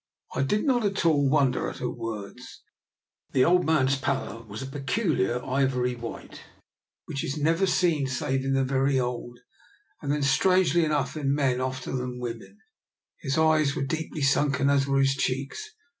I did not at all wonder at her words. The old man's pallor was of that peculiar ivory white which is never seen save in the very old, and then strangely enough in men oftener than women. His eyes were deeply sunken, as were his cheeks.